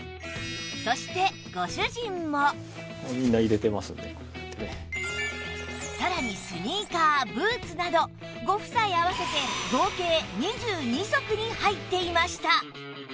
そしてさらにスニーカーブーツなどご夫妻合わせて合計２２足に入っていました